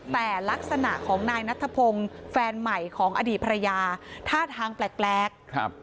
แต่ลักษณะของนายนัทพงศ์แฟนใหม่ของอดีตภรรยาท่าทางแปลกครับ